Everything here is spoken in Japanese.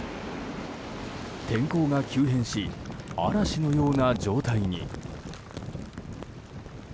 天候が急変し嵐のような状態に。